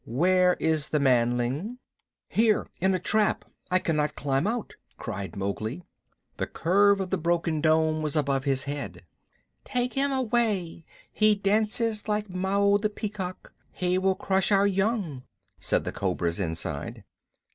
Where is the manling?" "Here, in a trap. I cannot climb out," cried Mowgli. The curve of the broken dome was above his head. "Take him away. He dances like Mao the Peacock. He will crush our young," said the cobras inside.